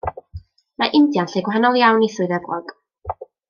Mae India'n lle gwahanol iawn i Swydd Efrog.